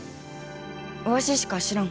わししか知らん。